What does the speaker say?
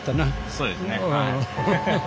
そうですねはい。